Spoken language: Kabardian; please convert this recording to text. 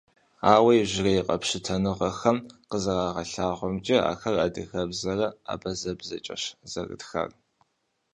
Ауэ иужьрей къэпщытэныгъэхэм къызэрагъэлъэгъуамкӀэ, ахэр адыгэбзэрэ абазэбзэкӀэщ зэрытхар.